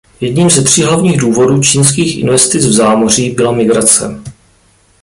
Jedním ze tří hlavních důvodů čínských investic v zámoří byla migrace.